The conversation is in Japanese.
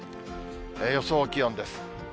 予想気温です。